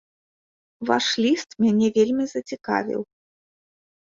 Ваш ліст мяне вельмі зацікавіў.